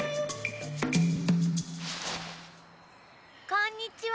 こんにちは。